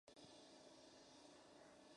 El Sheriff regresa al pueblo y devuelve el orden.